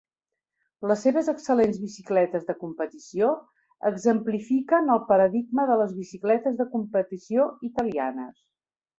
Les seves excel·lents bicicletes de competició "exemplifiquen el paradigma de les bicicletes de competició italianes".